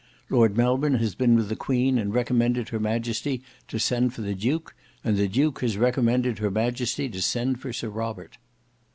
Lord Melbourne has been with the Queen and recommended her Majesty to send for the Duke, and the Duke has recommended her Majesty to send for Sir Robert."